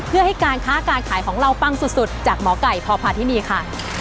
เพื่อให้การค้าการขายของเราปังสุดจากหมอไก่พพาธินีค่ะ